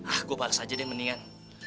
ah gua bales aja deh mendingan